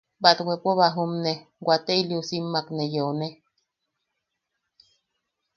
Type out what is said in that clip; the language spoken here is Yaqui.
Batwepo bajumne, waate iliusimmak ne yeone.